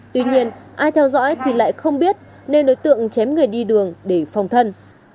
tuy nhiên ai theo dõi thì lại không biết nên đối tượng chém người đi đường để phòng thân